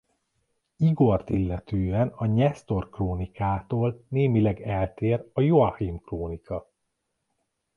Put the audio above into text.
Igort illetően a Nyesztor-krónikától némileg eltér a Joachim-krónika.